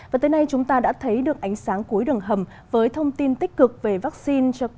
và tới nay chúng ta đã thấy được ánh sáng cuối đường hầm với thông tin tích cực về vaccine